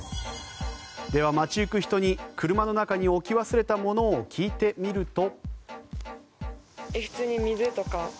では、街行く人に車の中に置き忘れたものを聞いてみると。